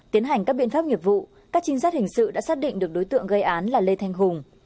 tiến hành các biện pháp nghiệp vụ các trinh sát hình sự đã xác định được đối tượng gây án là lê thanh hùng